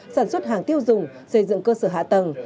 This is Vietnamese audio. sản xuất hàng tiêu dùng xây dựng cơ sở hạ tầng